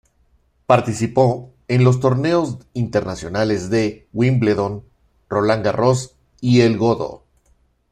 Participó en los torneos de internacionales de Wimbledon, Roland Garros y el Godó.